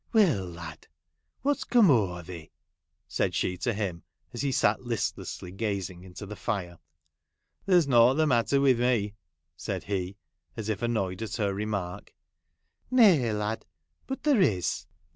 ' Will, lad ! what's come o'er thee ?' said .she to him, as he sat listlessly gazing into the fire. ' There 's nought the matter with me,' said he, as if annoyed at her remark. ' Nay, lad, but there is.'